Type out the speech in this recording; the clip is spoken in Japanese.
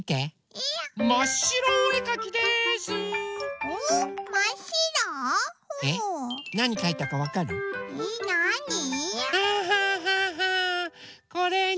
えなあに？